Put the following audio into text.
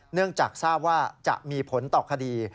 เนื่องจากทราบว่าจะมีผลต่อคดี